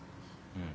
うん。